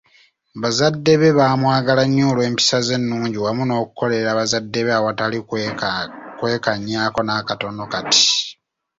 Bazadde be baamwagala nnyo olw’empisa ze ennungi wamu n'okukolera bazadde be awatali kwekaanyaako n’akatono kati.